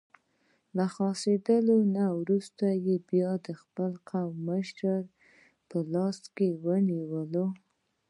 له خلاصېدو نه وروسته یې بیا د خپل قوم مشري په لاس کې ونیوله.